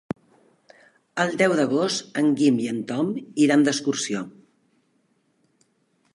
El deu d'agost en Guim i en Tom iran d'excursió.